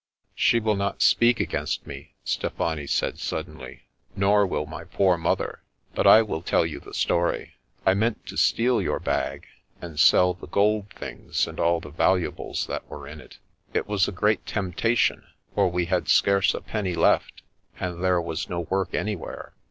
" She will not speak against me,'' Stefani said suddenly, "nor will my poor mother. But I will tell you the story. I meant to steal your bag, and sell the gold things and all the valuables that were in it. It was a great temptation, for we had scarce a penny left, and there was no work any where.